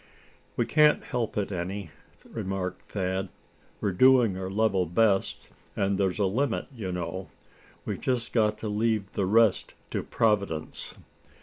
"We can't help it any," remarked Thad, "we're doing our level best, and there's a limit, you know. We've just got to leave the rest to Providence."